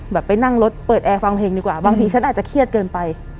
ไปนั่งรถเปิดแอร์ฟังเพลงดีกว่าบางทีฉันอาจจะเครียดเกินไป